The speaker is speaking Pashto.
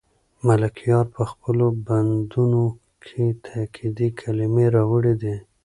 ملکیار په خپلو بندونو کې تاکېدي کلمې راوړي دي.